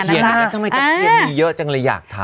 ตะเคียนหรือไงแห่ทำไมตะเคียนมีเยอะจังเลยอยากถาม